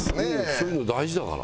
そういうの大事だから。